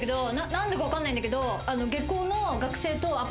何でか分かんないんだけど。